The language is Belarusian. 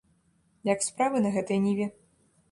Як справы на гэтай ніве?